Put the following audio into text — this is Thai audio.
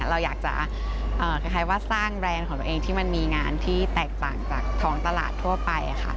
เราอยากจะสร้างแบรนด์ของตัวเองที่มีงานที่แตกต่างจากท้องตลาดทั่วไป